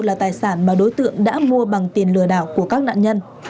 là tài sản mà đối tượng đã mua bằng tiền lừa đảo của các nạn nhân